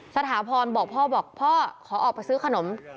สถาพรบอกพ่อบอกพ่อขอออกไปซื้อขนม